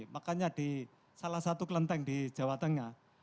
makanya di salah satu kelenteng di jawa tengah